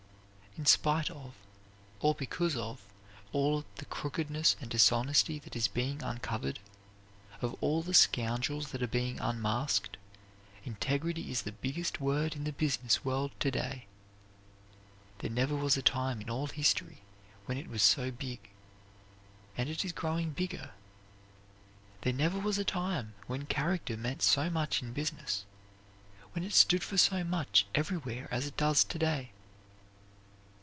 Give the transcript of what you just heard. In spite of, or because of, all the crookedness and dishonesty that is being uncovered, of all the scoundrels that are being unmasked, integrity is the biggest word in the business world to day. There never was a time in all history when it was so big, and it is growing bigger. There never was a time when character meant so much in business; when it stood for so much everywhere as it does to day.